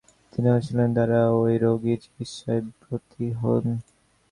তিনি অনুশীলনের দ্বারা ওই রোগের চিকিৎসায় ব্রতী হন।